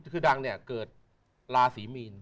คือดังเนี่ยเกิดราศีมีน